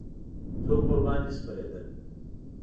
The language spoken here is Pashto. څوک ورباندې سپرېدل.